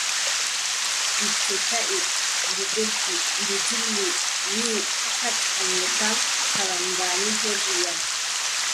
Wicco taʼi, ndu doggi, ndu dilli, wii : fakat hannde kam, karambaani torri am.